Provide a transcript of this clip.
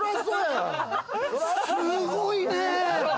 すごいねぇ。